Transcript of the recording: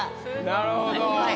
なるほど。